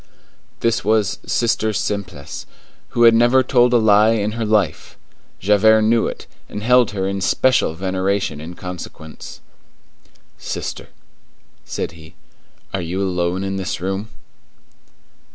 This was Sister Simplice, who had never told a lie in her life. Javert knew it, and held her in special veneration in consequence. "Sister," said he, "are you alone in this room?"